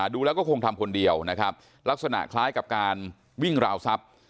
ดูแล้วก็คงทำคนเดียวนะครับลักษณะคล้ายกับการวิ่งราวทรัพย์